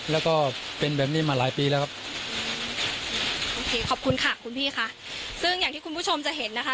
แล้วก็เป็นแบบนี้มาหลายปีแล้วครับโอเคขอบคุณค่ะคุณพี่ค่ะซึ่งอย่างที่คุณผู้ชมจะเห็นนะคะ